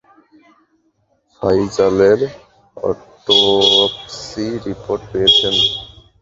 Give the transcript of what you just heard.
ফায়জালের autopsy report পেয়েছেন?